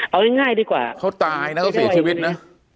เอาง่ายดีกว่าเขาตายนะเขาเสียชีวิตนะ